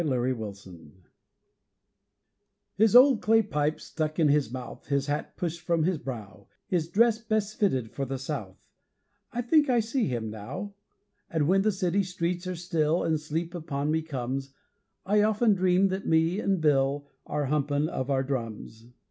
_ Corny Bill His old clay pipe stuck in his mouth, His hat pushed from his brow, His dress best fitted for the South I think I see him now; And when the city streets are still, And sleep upon me comes, I often dream that me an' Bill Are humpin' of our drums.